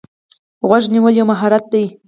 غوږ نیول یو مهارت دی.